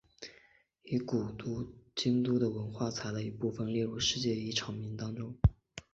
以古都京都的文化财的一部份列入世界遗产名单中。